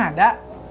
kalian ada apa sih